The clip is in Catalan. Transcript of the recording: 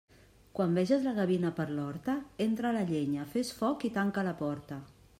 Quan veges la gavina per l'horta, entra la llenya, fes foc i tanca la porta.